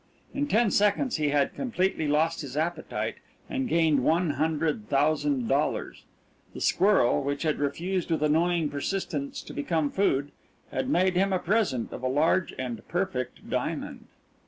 In ten seconds he had completely lost his appetite and gained one hundred thousand dollars. The squirrel, which had refused with annoying persistence to become food, had made him a present of a large and perfect diamond.